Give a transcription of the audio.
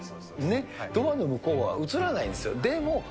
ドアの向こうは映らないですよ。